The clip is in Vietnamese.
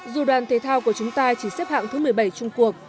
dù đoàn thể thao của chúng ta chỉ xếp hạng thứ một mươi bảy chung cuộc